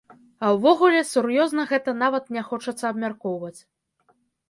А ўвогуле, сур'ёзна гэта нават не хочацца абмяркоўваць.